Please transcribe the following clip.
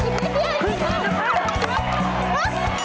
มีเตี๋ยว